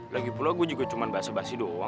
lagipula saya juga cuma bahasa bahasa saja